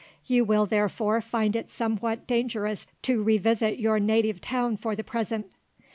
You will, therefore, find it somewhat dangerous to revisit your native town for the present.